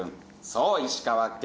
そう石川県。